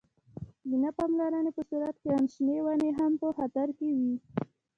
د نه پاملرنې په صورت کې آن شنې ونې هم په خطر کې وي.